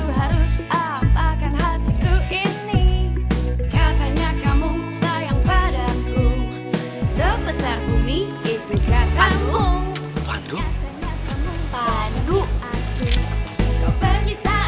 yaudah papa duluan aja